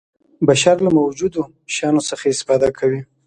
بشر له موجودو شیانو څخه استفاده کوي.